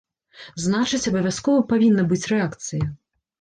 Значыць, абавязкова павінна быць рэакцыя.